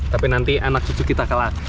tapi nanti anak cucu kita kalah